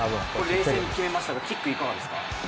冷静に決めましたが、キックはいかがですか？